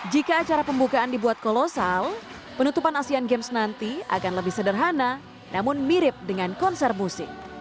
jika acara pembukaan dibuat kolosal penutupan asean games nanti akan lebih sederhana namun mirip dengan konser musik